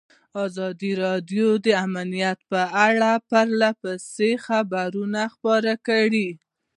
ازادي راډیو د امنیت په اړه پرله پسې خبرونه خپاره کړي.